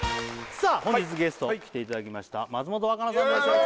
さあ本日ゲスト来ていただきました松本若菜さんです